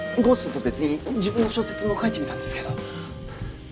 ゴーストと別に自分の小説も書いてみたんですけど。